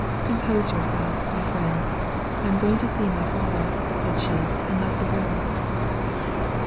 " Compose yourself, my friend, I am going to see my father," said she, and left the room.